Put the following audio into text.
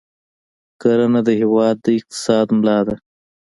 کرنه د هېواد د اقتصاد ملا ده.